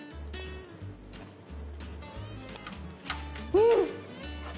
うん！